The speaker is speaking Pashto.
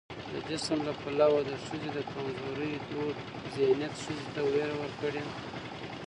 د جسم له پلوه د ښځې د کمزورۍ دود ذهنيت ښځې ته ويره ورکړې